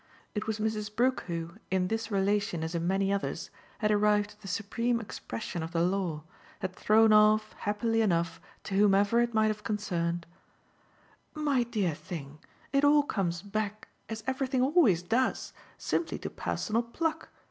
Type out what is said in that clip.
It was Mrs. Brook who, in this relation as in many others, had arrived at the supreme expression of the law, had thrown off, happily enough, to whomever it might have concerned: "My dear thing, it all comes back, as everything always does, simply to personal pluck.